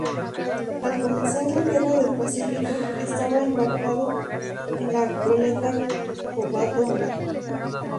Al comenzar la Guerra del Pacífico estaba embarcado en la goleta Covadonga.